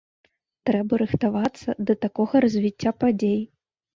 Трэба рыхтавацца да такога развіцця падзей.